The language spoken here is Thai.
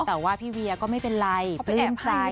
เเหล่าว่าพี่เวียก็ไม่เป็นไรเปลื้มใจ